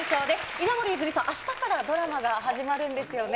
稲森いずみさん、あしたからドラマが始まるんですよね。